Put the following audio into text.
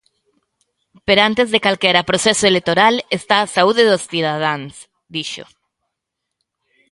"Pero antes de calquera proceso electoral está a saúde dos cidadáns", dixo.